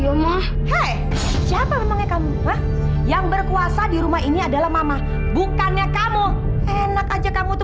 terus capa memangnya kamu yang berkuasa di rumah ini adalah mama bukannya kamu enak aja kamu tuh